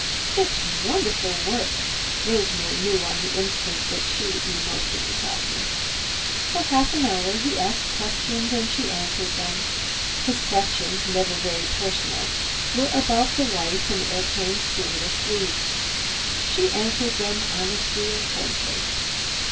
"It's wonderful work!" Rosemary knew on the instant that she would do most of the talking. For half an hour he asked questions and she answered them. His questions, never very personal, were about the life an airplane stewardess leads. She answered them honestly and frankly.